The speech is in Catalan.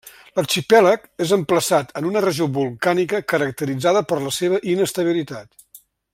L'arxipèlag és emplaçat en una regió volcànica caracteritzada per la seva inestabilitat.